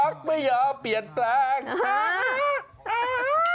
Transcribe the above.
อาฮังรักไม่อยากเปลี่ยนแปลงอ้าอาออ